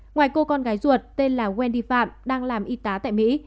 ngoài cô con gái ruột tên là wendy phạm đang làm y tá tại mỹ